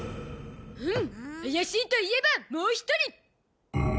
うん怪しいといえばもう一人！